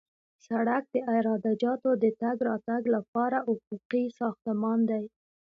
سړک د عراده جاتو د تګ راتګ لپاره افقي ساختمان دی